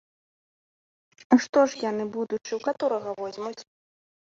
А што ж яны, будучы, у каторага возьмуць?